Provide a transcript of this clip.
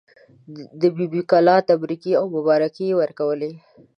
د بي بي کلا تبریکې او مبارکۍ یې ورکولې.